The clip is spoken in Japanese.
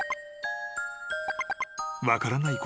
［分からない